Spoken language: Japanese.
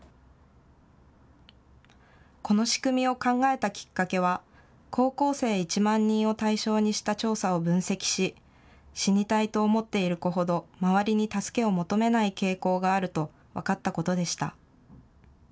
この仕組みを考えたきっかけは、高校生１万人を対象にした調査を分析し、死にたいと思っている子ほど、周りに助けを求めない傾向があると分かったことでした。